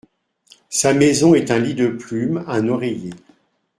Sa maison est un lit de plume, un oreiller.